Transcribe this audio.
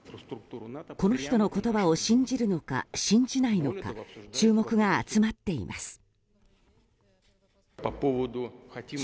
この人の言葉を信じるのか信じないのか注目が集まっています。